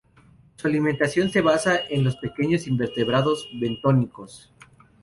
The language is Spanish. Su alimentación se basa en pequeños invertebrados bentónicos.